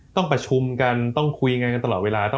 ต้องประชุมกันต้องคุยงานกันตลอดเวลา